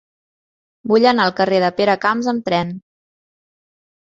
Vull anar al carrer de Peracamps amb tren.